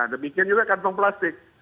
demikian juga kantong plastik